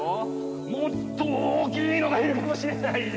もっと大きいのがいるかもしれない！